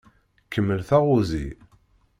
Kemmel taɣuzi.